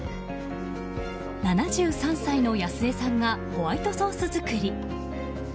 ７３歳のやす江さんがホワイトソース作り。